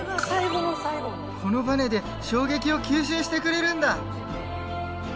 このバネで衝撃を吸収してくれるんだ！